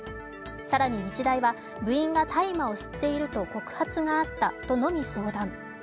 更に日大は部員が大麻を吸っていると告発があったとのみ相談。